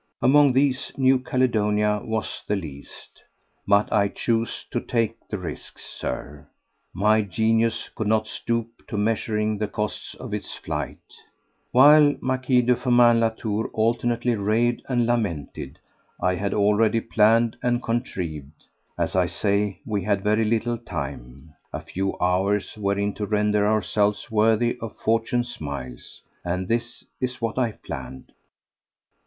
Among these New Caledonia was the least. But I chose to take the risks, Sir; my genius could not stoop to measuring the costs of its flight. While M. de Firmin Latour alternately raved and lamented I had already planned and contrived. As I say, we had very little time: a few hours wherein to render ourselves worthy of Fortune's smiles. And this is what I planned.